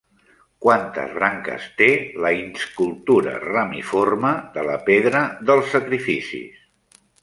Quantes branques té la inscultura ramiforme de la Pedra dels Sacrificis?